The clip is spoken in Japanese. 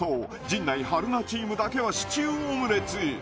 陣内春菜チームだけはシチューオムレツ